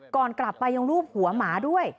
ก่อนกลับไปยังรูปหัวหมาด้วย